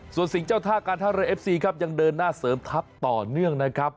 ส่วนสิ่งเจ้าท่าการท่าเรือเอฟซีครับยังเดินหน้าเสริมทัพต่อเนื่องนะครับ